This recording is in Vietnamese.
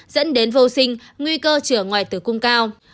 dẫn đến vô sinh nguy cơ trở ngoài tử cung cao